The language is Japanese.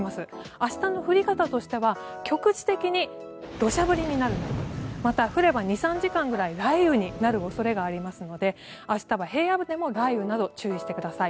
明日の降り方としては局地的に土砂降りになりまた、降れば２３時間くらい雷雨になる恐れがありますので明日は平野部でも雷雨など注意してください。